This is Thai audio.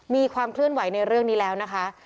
มีความเคลื่อนไหวในเรื่องนี้แล้วนะคะ